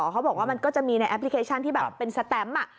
เขาบอกว่ามันก็จะมีในแอปพลิเคชันที่แบบเป็นสแตมป์